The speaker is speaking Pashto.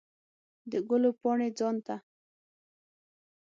د ګلو پاڼې ځان ته